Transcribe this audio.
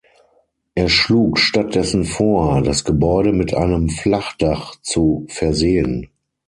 Er schlug stattdessen vor, das Gebäude mit einem Flachdach zu versehen.